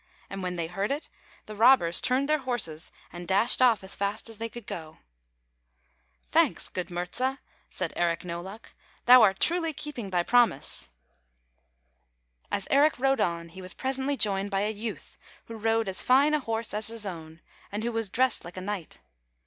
And when they heard it, the rob bers turned their horses and dashed off as fast as they could go. " Thanks, good Murza," said Eric No Luck. " Thou are truly keeping thy promise! " As Eric rode on he was presently joined by a youth who rode as fine a horse as his own, and who was dressed like a knight.